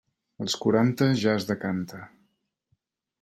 Als quaranta, ja es decanta.